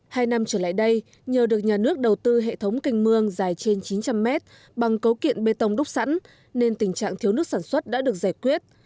hai năm trở lại đây nhờ được nhà nước đầu tư hệ thống canh mương dài trên chín trăm linh mét bằng cấu kiện bê tông đúc sẵn nên tình trạng thiếu nước sản xuất đã được giải quyết